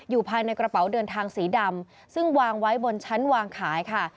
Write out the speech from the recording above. ภายในกระเป๋าเดินทางสีดำซึ่งวางไว้บนชั้นวางขายค่ะ